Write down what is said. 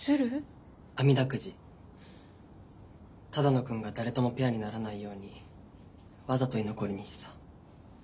只野くんが誰ともペアにならないようにわざと居残りにしてた。